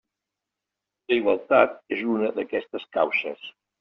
La igualtat és una d'aquestes causes.